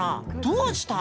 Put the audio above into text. どうした？